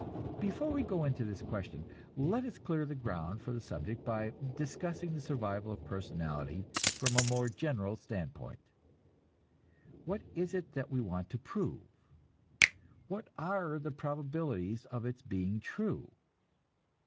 Before we go into this question, let us clear the ground for the subject by discussing the survival of personality from a more general standpoint. What is it that we want to prove? What are the probabilities of its being true?